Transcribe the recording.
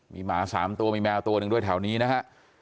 มีหมา๓ตัวมีแมวตัวหนึ่งด้วยแถวนี้นะฮะ